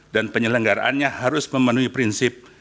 dan penyelenggaraannya harus memenuhi prinsip